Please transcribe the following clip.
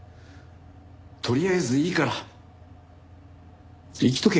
とりあえずでいいから生きとけ。